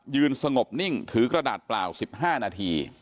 ยืนสงบนิ่งถือกระดาษเปล่าสิบห้านาที